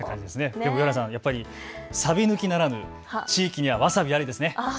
やっぱりさび抜きならぬ、地域にはわさびありですね。